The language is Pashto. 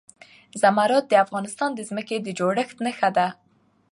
زمرد د افغانستان د ځمکې د جوړښت نښه ده.